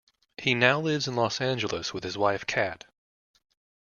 He now lives in Los Angeles with his wife Kat.